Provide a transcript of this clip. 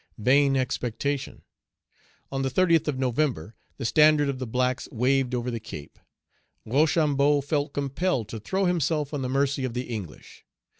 Vain expectation. On the 30th of November, the standard of the blacks waved over the Cape. Rochambeau felt compelled to throw himself on the mercy of the English.